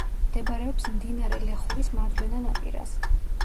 მდებარეობს მდინარე ლეხურის მარჯვენა ნაპირას.